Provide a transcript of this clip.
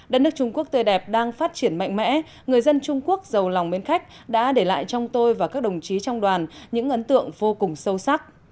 đất nước trung quốc tươi đẹp đang phát triển mạnh mẽ người dân trung quốc giàu lòng mến khách đã để lại trong tôi và các đồng chí trong đoàn những ấn tượng vô cùng sâu sắc